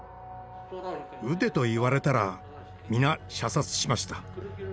撃てと言われたら皆射殺しました。